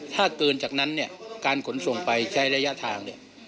ถ้าเกินจากนั้นการขนส่งไปใช้ระยะทาง